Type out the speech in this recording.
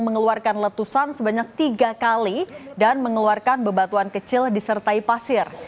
mengeluarkan letusan sebanyak tiga kali dan mengeluarkan bebatuan kecil disertai pasir